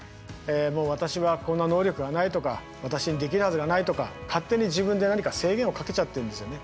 「もう私はこんな能力がない」とか「私にできるはずがない」とか勝手に自分で何か制限をかけちゃってるんですよね。